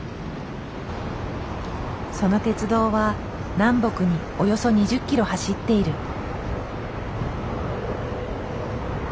その鉄道は南北におよそ２０キロ走っている。